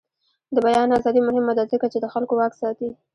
د بیان ازادي مهمه ده ځکه چې د خلکو واک ساتي.